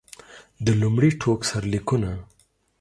د لومړي ټوک سرلیکونه.